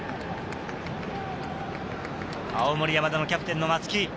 青森山田のキャプテンの松木。